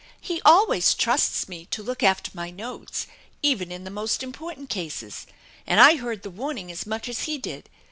He always trusts me to look after my notes, even in the most important cases ; and I heard the warning as much as he did.